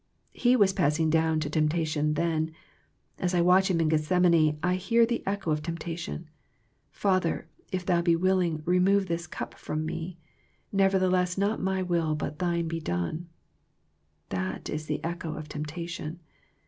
He was passing down to temptation then. As I watch Him in Geth semane I hear the echo of temptation, " Father, if Thou be willing, remove this cup from Me ; nevertheless not My will, but Thine be done." That is the echo of temptation.